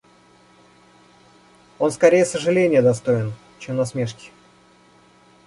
Он скорее сожаления достоин, чем насмешки.